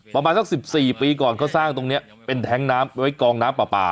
ประมาณสัก๑๔ปีก่อนเขาสร้างตรงนี้เป็นแท้งน้ำไว้กองน้ำปลาปลา